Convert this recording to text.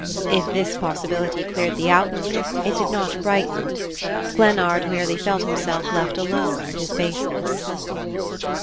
If this possibility cleared the outlook it did not brighten it. Glennard merely felt himself left alone with his baseness.